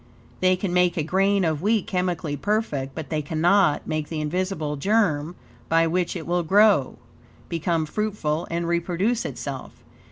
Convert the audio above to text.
They can make a grain of wheat chemically perfect, but they cannot make the invisible germ by which it will grow, become fruitful, and reproduce itself.